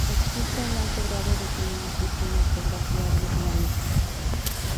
Existe un alto grado de similitud con la ortografía vietnamita.